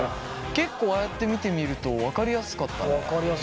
結構ああやって見てみると分かりやすかったね。